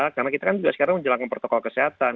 karena kita kan juga sekarang menjelangkan protokol kesehatan